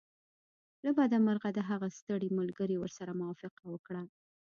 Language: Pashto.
له بده مرغه د هغه ستړي ملګري ورسره موافقه وکړه